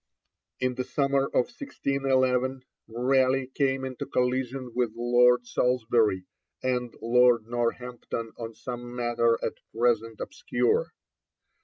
In the summer of 1611, Raleigh came into collision with Lord Salisbury and Lord Northampton on some matter at present obscure.